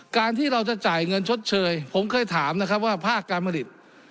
การที่เราจะจ่ายเงินชดเชยผมเคยถามนะครับว่าภาคการผลิต